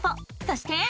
そして。